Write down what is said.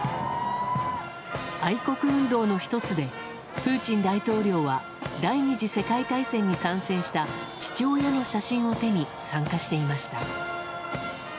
愛国運動の１つでプーチン大統領は第２次世界大戦に参戦した父親の写真を手に参加していました。